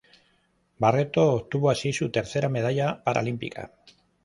Barreto obtuvo así su tercera medalla paralímpica.